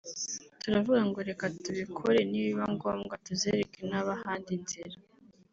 turavuga ngo reka tubikore nibiba ngombwa tuzereke n’abahandi inzira